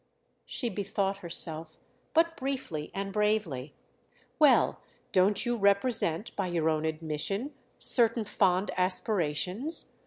She bethought herself—but briefly and bravely. "Well, don't you represent, by your own admission, certain fond aspirations?